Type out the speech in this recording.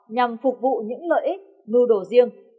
nhằm phục vụ những lợi ích ngu đồ riêng